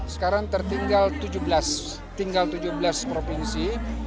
sekarang tertinggal tujuh belas provinsi